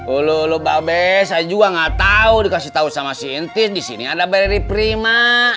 elu elu mbak bes saya juga gak tau dikasih tau sama si entis disini ada barry prima